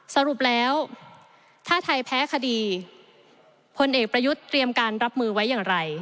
สรุปแล้วถ้าไทยแพ้คดีพลเอกประยุทธ์เตรียมการรับมือไว้อย่างไร